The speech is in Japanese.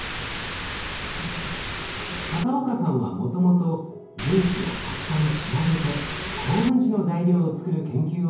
片岡さんはもともと分子をたくさんつなげて高分子の材料を作る研究をしていました。